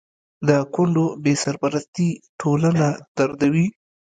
د کونډو بې سرپرستي ټولنه دردوي.